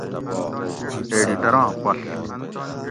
ایڈیٹراں پڷ